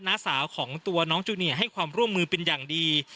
น้าสาวของตัวน้องจูเนียให้ความร่วมมือเป็นอย่างดี